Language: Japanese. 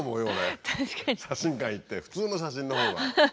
写真館行って普通の写真のほうが。